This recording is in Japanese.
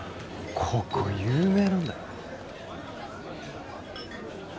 ここ有名なんだよ。